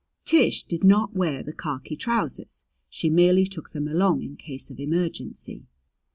Tish did not wear the khaki trousers; she merely took them along in case of emergency.